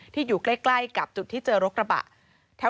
อยู่ใกล้กับจุดที่เจอรกระบะ